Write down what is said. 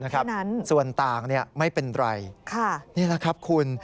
แค่นั้นค่ะนี่แหละครับคุณ